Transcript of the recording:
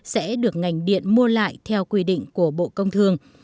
sẽ được ngành điện mua lại theo quy định của bộ công thương